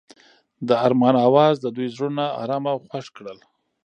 د آرمان اواز د دوی زړونه ارامه او خوښ کړل.